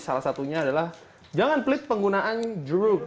salah satunya adalah jangan pelit penggunaan jeruk